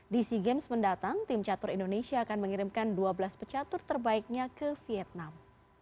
di sea games mendatang tim catur indonesia akan mengirimkan dua belas pecatur terbaiknya ke vietnam